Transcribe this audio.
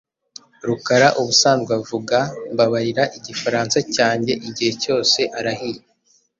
Rukara ubusanzwe avuga "Mbabarira Igifaransa cyanjye" igihe cyose arahiye.